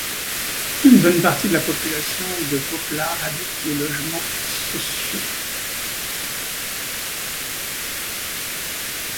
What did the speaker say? Une bonne partie de la population de Poplar habite des logements sociaux.